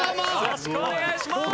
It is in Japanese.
よろしくお願いします！